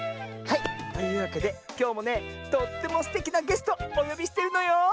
はいというわけできょうもねとってもすてきなゲストおよびしてるのよ。